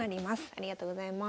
ありがとうございます。